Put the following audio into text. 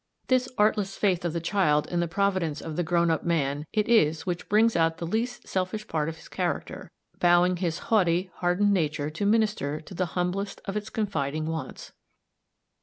This artless faith of the child in the providence of the grown up man it is which brings out the least selfish part of his character, bowing his haughty, hardened nature to minister to the humblest of its confiding wants.